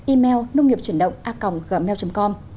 email nông nghiệp chuyển động a gmail com